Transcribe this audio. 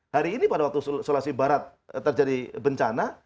hari ini pada waktu sulawesi barat terjadi bencana